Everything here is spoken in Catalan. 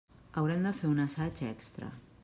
Haurem de fer un assaig extra.